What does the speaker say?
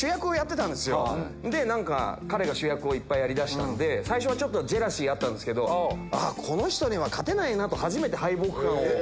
彼が主役をいっぱいやり出したんで最初はちょっとジェラシーあったんですけどこの人には勝てないなと。